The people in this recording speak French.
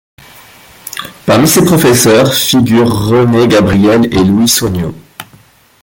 Parmi ses professeurs figurent René Gabriel et Louis Sognot.